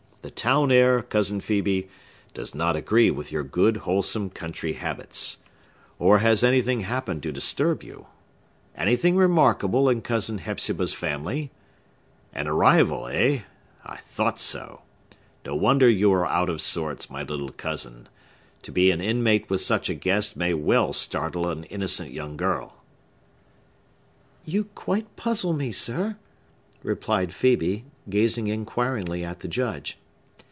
The town air, Cousin Phœbe, does not agree with your good, wholesome country habits. Or has anything happened to disturb you?—anything remarkable in Cousin Hepzibah's family?— An arrival, eh? I thought so! No wonder you are out of sorts, my little cousin. To be an inmate with such a guest may well startle an innocent young girl!" "You quite puzzle me, sir," replied Phœbe, gazing inquiringly at the Judge.